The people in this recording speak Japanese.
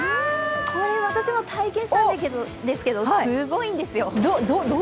これ私も体験したんですけどすごいんですよ。